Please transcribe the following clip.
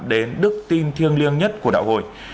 đến đức tin thiêng liêng nhất của đạo hồi